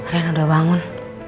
rena udah bangun